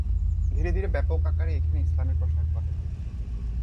ধীরে ধীরে ব্যাপক আকারে এখানে ইসলামের প্রসার ঘটে।